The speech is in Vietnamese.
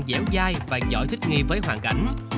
dẻo dai và giỏi thích nghi với hoàn cảnh